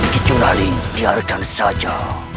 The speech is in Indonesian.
kicu lali biarkan saja